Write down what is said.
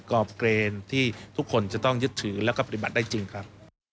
รอบเกรนที่ทุกคนจะต้องยึดถือแล้วก็ปฏิบัติได้จริงครับ